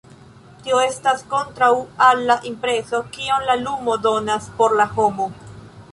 Tio estas kontraŭa al la impreso kion la lumo donas por la homo.